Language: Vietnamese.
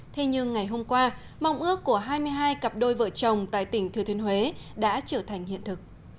thế nhưng ngày hôm qua mong ước của hai mươi hai cặp đôi vợ chồng tại tỉnh thừa thiên huế đã trở thành hiện thực